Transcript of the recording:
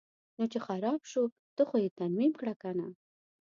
نو چې خراب شو ته خو یې ترمیم کړه کنه.